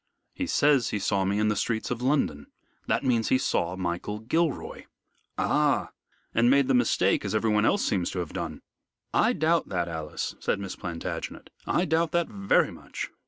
He says he saw me in the streets of London. That means he saw Michael Gilroy." "Ah! And made the mistake, as everyone else seems to have done." "I doubt that, Alice," said Miss Plantagenet, "I doubt that very much.